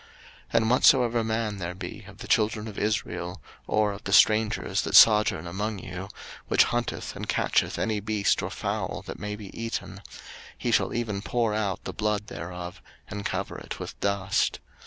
03:017:013 And whatsoever man there be of the children of Israel, or of the strangers that sojourn among you, which hunteth and catcheth any beast or fowl that may be eaten; he shall even pour out the blood thereof, and cover it with dust.